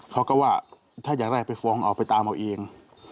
เขาก็ว่าถ้าอยากได้ไปฟ้องเอาไปตามเอาเอง